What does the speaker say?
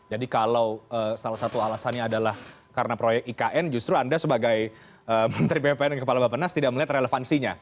jadi kalau salah satu alasannya adalah karena proyek ikn justru anda sebagai menteri ppn dan kepala bapak nas tidak melihat relevansinya